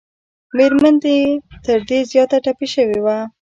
مېرمن یې تر ده زیاته ټپي شوې وه.